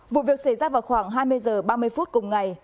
vụ việc xảy ra vào khoảng hai mươi h ba mươi phút cùng ngày